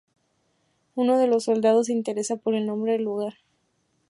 Uno de los soldados se interesa por el nombre del lugar.